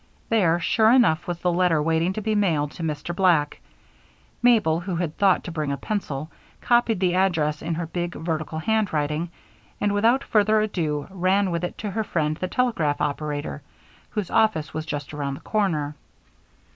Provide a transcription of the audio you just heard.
There, sure enough, was the letter waiting to be mailed to Mr. Black. Mabel, who had thought to bring a pencil, copied the address in her big, vertical handwriting, and without further ado ran with it to her friend, the telegraph operator, whose office was just around the corner.